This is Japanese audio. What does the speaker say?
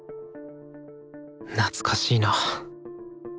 懐かしいな。